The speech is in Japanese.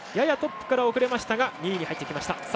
ややトップから遅れましたが２位に入ってきました。